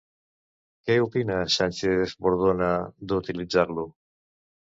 Què opina Sánchez-Bordona d'utilitzar-lo?